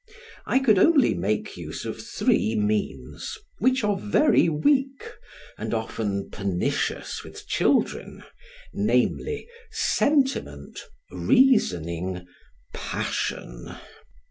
I could only make use of three means, which are very weak, and often pernicious with children; namely, sentiment, reasoning, passion.